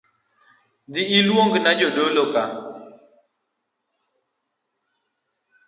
Dhii ilungna jodolo ka